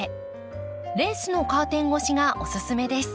レースのカーテン越しがおすすめです。